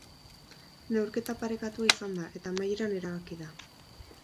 Neurketa parekatua izan da eta amaieran erabaki da.